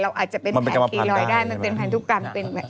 เราอาจจะเป็นแผนคีย์รอยได้มันเป็นแผนทุกกรรม